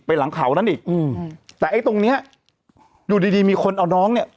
หลังเขานั้นอีกอืมแต่ไอ้ตรงเนี้ยอยู่ดีดีมีคนเอาน้องเนี้ย